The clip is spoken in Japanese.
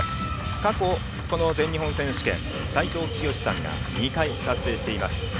過去、全日本選手権斎藤清さんが２回、達成しています。